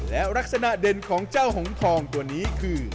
และลักษณะเด่นของเจ้าหงทองตัวนี้คือ